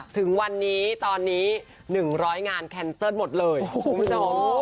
ถึงวันนี้ตอนนี้๑๐๐งานแคนเซิลหมดเลยคุณผู้ชม